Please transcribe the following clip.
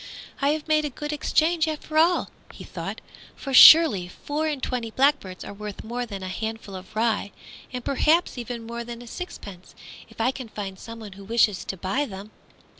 "I have made a good exchange, after all," he thought, "for surely four and twenty blackbirds are worth more than a handful of rye, and perhaps even more than a sixpence, if I can find anyone who wishes to buy them."